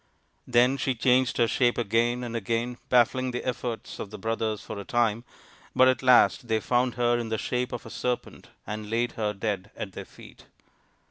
Then she changed her shape again and again, baffling the efforts of the brothers for a time, but at last they found her in the shape of a serpent and laid her dead at their feet.